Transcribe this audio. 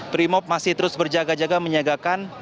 primo masih terus berjaga jaga menyegakan